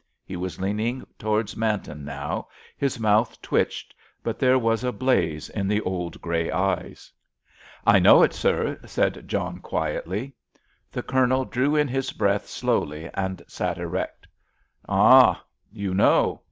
He was leaning towards Manton now; his mouth twitched, but there was a blaze in the old grey eyes. "I know it, sir," said John quietly. The Colonel drew in his breath slowly and sat erect. "Ah, you know.